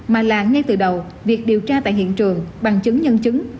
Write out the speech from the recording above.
mà là ngay từ đầu việc điều tra tại hiện trường bằng chứng nhân chứng